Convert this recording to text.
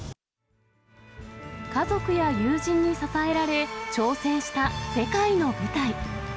家族や友人に支えられ、挑戦した世界の舞台。